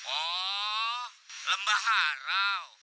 oh lembah harau